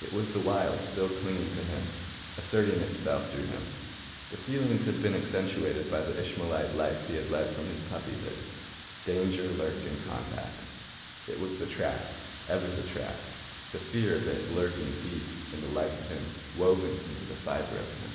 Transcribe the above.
It was the Wild still clinging to him, asserting itself through him. This feeling had been accentuated by the Ishmaelite life he had led from his puppyhood. Danger lurked in contacts. It was the trap, ever the trap, the fear of it lurking deep in the life of him, woven into the fibre of him.